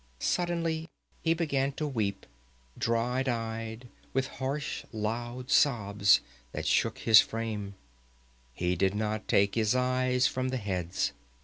Suddenly he began to weep, dry eyed, with harsh, loud sobs that shook his frame. He did not take his eyes from the heads.